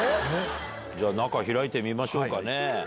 じゃあ開いてみましょうかね。